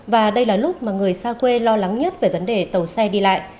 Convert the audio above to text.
và đây là lúc mà người xa quê lo lắng nhất về vấn đề tàu xe đi lại